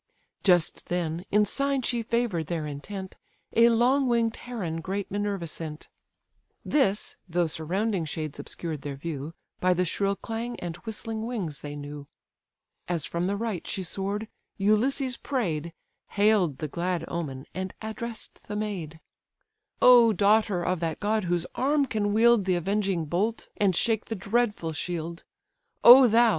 Just then, in sign she favour'd their intent, A long wing'd heron great Minerva sent: This, though surrounding shades obscured their view, By the shrill clang and whistling wings they knew. As from the right she soar'd, Ulysses pray'd, Hail'd the glad omen, and address'd the maid: "O daughter of that god whose arm can wield The avenging bolt, and shake the saber shield! O thou!